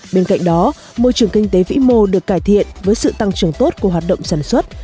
bên cạnh đó môi trường kinh tế vĩ mô được cải thiện với sự tăng trưởng tốt của hoạt động sản xuất